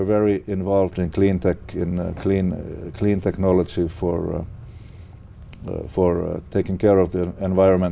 vì vậy đây là một số thông tin